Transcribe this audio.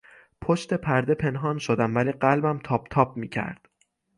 پشت پرده پنهان شدم ولی قلبم تاپ تاپ میکرد.